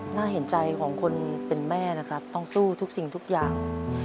น่าเห็นใจของคนเป็นแม่นะครับต้องสู้ทุกสิ่งทุกอย่าง